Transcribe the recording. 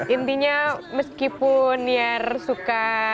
intinya meskipun niar suka